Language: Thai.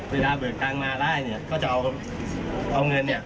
เวลาเบิดกลางมาล่ายเขาจะเอาเงิน